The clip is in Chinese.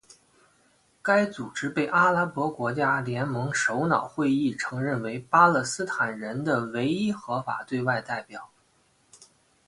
该组织被阿拉伯国家联盟首脑会议承认为巴勒斯坦人的唯一合法对外代表。